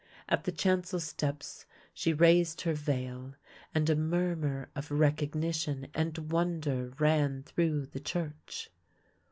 At the chancel steps she raised her veil, and a mur mur of recognition and wonder ran through the church.